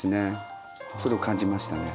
それを感じましたね。